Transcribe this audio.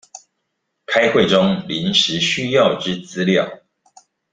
開會中臨時需要之資料